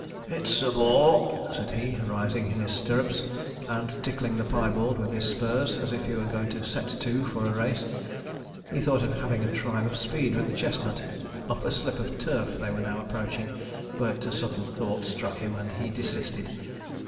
'It's a bore,' said he, rising in his stirrups, and tickling the piebald with his spurs, as if he were going to set to for a race. He thought of having a trial of speed with the chestnut, up a slip of turf they were now approaching; but a sudden thought struck him, and he desisted.